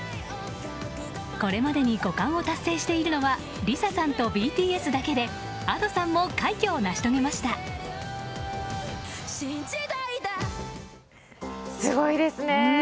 これまでに５冠を達成しているのはＬｉＳＡさんとＢＴＳさんだけでＡｄｏさんもすごいですね。